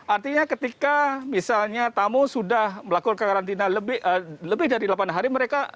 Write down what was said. artinya ketika misalnya tamu sudah melakukan karantina lebih dari delapan hari mereka